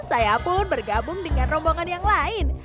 saya pun bergabung dengan rombongan yang lain